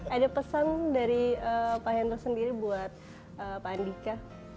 ada pesan dari pak hendro sendiri buat pak andika